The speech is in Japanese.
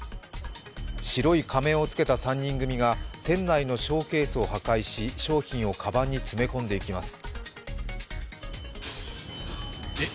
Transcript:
白い仮面をつけた３人組が店内のショーケースを破壊し商品をかばんに詰め込んでいきます。